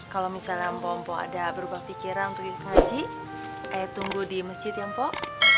kalau misalnya empom pom ada berubah pikiran untuk ikut pengaji ae tunggu di masjid ya pok